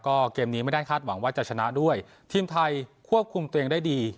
ก็เกมนี้ไม่ได้คาดหวังว่าจะชนะด้วยทีมไทยควบคุมตัวเองได้ดี